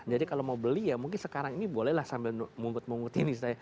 jadi kalau mau beli ya mungkin sekarang ini bolehlah sambil mungkut mungkut ini